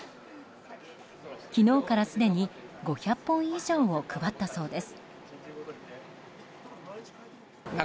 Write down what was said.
昨日からすでに５００本以上を配ったそうです。